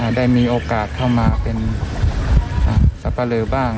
ได้มีโอกาสเข้ามาเป็นสับปะเลอบ้าง